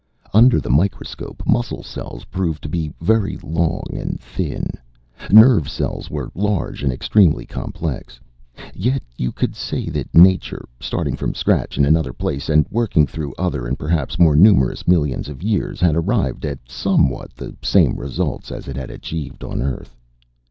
Under the microscope, muscle cells proved to be very long and thin. Nerve cells were large and extremely complex. Yet you could say that Nature, starting from scratch in another place, and working through other and perhaps more numerous millions of years, had arrived at somewhat the same results as it had achieved on Earth.